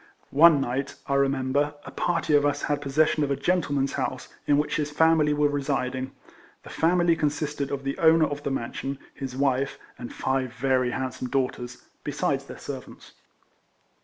One night, I remember, a party of us had possession of a gentleman's house, in which his family were residing. The family con sisted of the owner of the mansion, his wife, and five very handsome daughters, besides their servants.